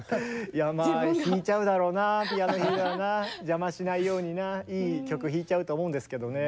いやまあ弾いちゃうだろうなピアノ弾いたらな邪魔しないようにないい曲弾いちゃうと思うんですけどね。